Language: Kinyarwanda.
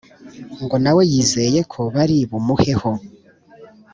ngo nawe yizeye ko bari bumuheho